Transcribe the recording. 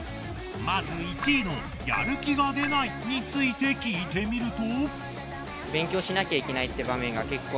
まず１位の「やる気が出ない」について聞いてみると。